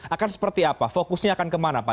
akan seperti apa fokusnya akan kemana pak